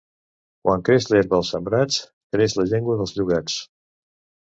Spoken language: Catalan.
Quan creix l'herba als sembrats, creix la llengua dels llogats.